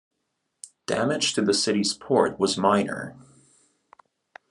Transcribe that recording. Damage to the city's port was minor.